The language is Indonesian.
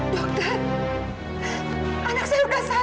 dokter anak saya sudah sadar